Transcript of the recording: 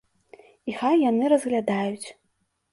І хай яны разглядаюць.